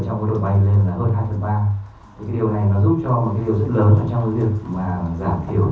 hai nghìn hai mươi còn đ recommendations dẫn dối chiều tăng anh hồn tại cả một nơi